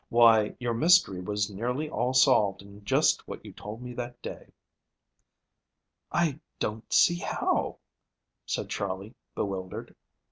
Why, your mystery was nearly all solved in just what you told me that day." "I don't see how," said Charley bewildered.